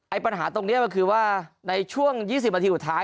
ไอ้ปัญหาตรงเนี้ยก็คือว่าในช่วงยี่สิบนาทีอุดท้าย